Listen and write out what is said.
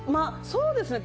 そうですね